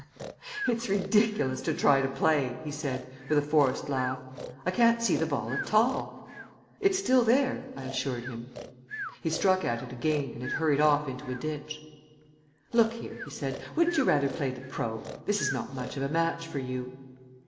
"It's ridiculous to try to play," he said, with a forced laugh. "I can't see the ball at all." "It's still there," I assured him. He struck at it again and it hurried off into a ditch. "Look here," he said, "wouldn't you rather play the pro.? This is not much of a match for you."